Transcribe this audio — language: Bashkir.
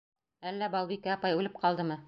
Әллә Балбикә апай үлеп ҡалдымы?